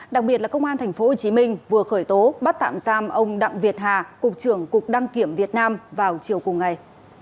đặc biệt là công an thành phố hồ chí minh vừa khởi tố bắt tạm giam ông đặng việt hà cục trưởng cục đăng kiểm việt nam vào chiều cùng ngày